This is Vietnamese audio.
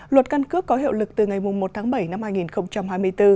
luật căn cước có hiệu lực từ ngày một tháng bảy năm hai nghìn hai mươi bốn